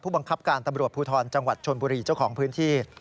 บังคับการตำรวจภูทรจังหวัดชนบุรีเจ้าของพื้นที่